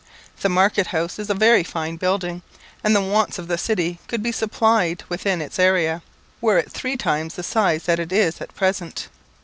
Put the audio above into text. The market house is a very fine building, and the wants of the city could be supplied within its area, were it three times the size that it is at present.